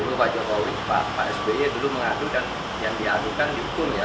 dulu pak jokowi pak sby dulu mengadu dan yang diadukan diukur ya